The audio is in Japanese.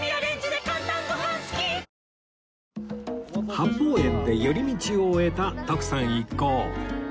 八芳園で寄り道を終えた徳さん一行